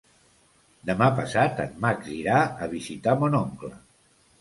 Demà passat en Max irà a visitar mon oncle.